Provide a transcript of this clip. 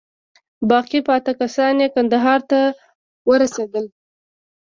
باقي پاته کسان یې کندهار ته ورسېدل.